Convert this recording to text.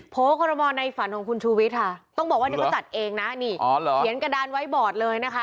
โพลกฮารมรในฝันของคุณชูวิดต้องบอกว่าไว้เนี๊ยนกระดานไว้บอดเลยนะคะ